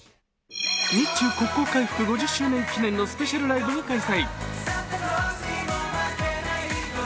日中国交回復５０周年のスペシャルライブが開催。